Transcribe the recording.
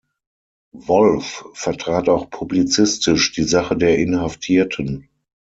Wolf vertrat auch publizistisch die Sache der Inhaftierten.